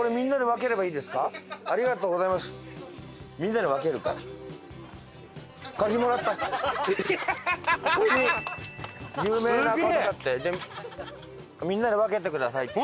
みんなで分けてくださいって。